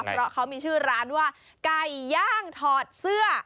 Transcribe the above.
เพราะเขามีชื่อร้านว่าไก่ย่างถอดเสื้อ